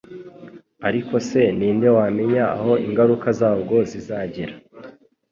ariko se ni nde wamenya aho ingaruka zabwo zizagera